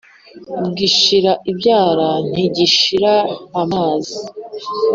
Gishira ibyara ntigishira amazi.